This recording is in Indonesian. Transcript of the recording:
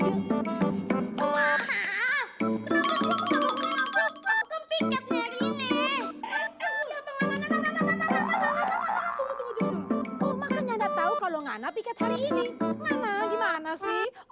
kak rama malah ngomongin kamera jelat itu sih